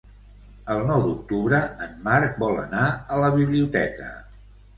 El nou d'octubre en Marc vol anar a la biblioteca.